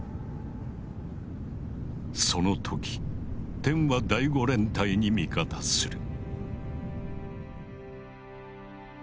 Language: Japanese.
その時天は第５連隊に味方する。